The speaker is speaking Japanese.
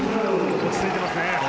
落ち着いてますね。